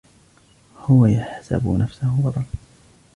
هو يَحسَبُ نفسَه بطلاً.